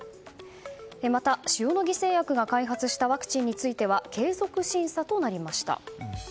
また、塩野義製薬が開発したワクチンについては継続審査となりました。